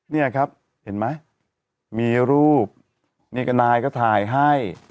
เนี่ยครับเห็นไหมมีรูปนี่ก็นายก็ถ่ายให้